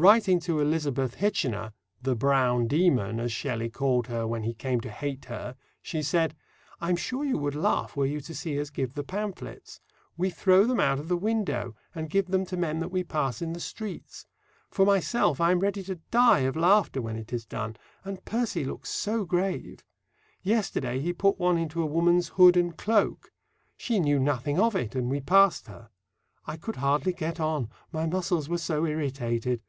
Writing to Elizabeth Hitchener "the Brown Demon," as Shelley called her when he came to hate her she said: I'm sure you would laugh were you to see us give the pamphlets. We throw them out of the window, and give them to men that we pass in the streets. For myself, I am ready to die of laughter when it is done, and Percy looks so grave. Yesterday he put one into a woman's hood and cloak. She knew nothing of it, and we passed her. I could hardly get on: my muscles were so irritated.